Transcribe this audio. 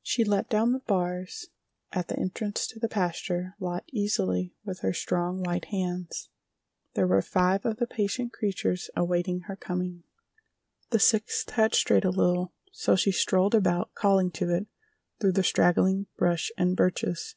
She let down the bars at the entrance to the pasture lot easily with her strong, white hands. There were five of the patient creatures awaiting her coming. The sixth had strayed a little, so she strolled about, calling to it, through the straggling brush and birches.